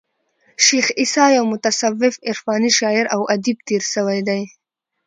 شېخ عیسي یو متصوف عرفاني شاعر او ادیب تیر سوى دئ.